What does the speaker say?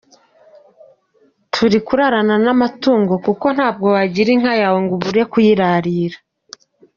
Turi kurarana n’amatungo kuko ntabwo wagira inka yawe ngo ubure kuyirarira.